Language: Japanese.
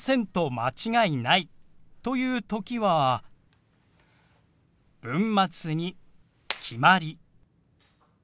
間違いないと言う時は文末に「決まり」。